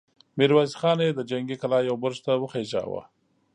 ميرويس خان يې د جنګي کلا يوه برج ته وخېژاوه!